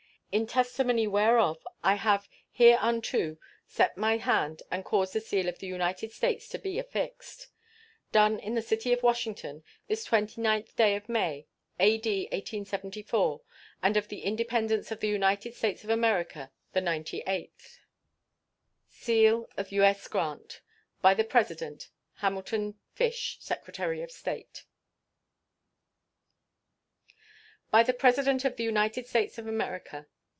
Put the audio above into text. In testimony whereof I have hereunto set my hand and caused the seal of the United States to be affixed. Done at the city of Washington, this 29th day of May, A.D. 1874, and of the Independence of the United States of America the ninety eighth. [SEAL.] U.S. GRANT. By the President: HAMILTON FISH, Secretary of State. BY THE PRESIDENT OF THE UNITED STATES OF AMERICA.